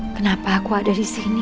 kenapa aku ada disini